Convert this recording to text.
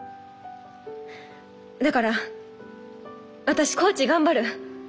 だから私コーチ頑張る。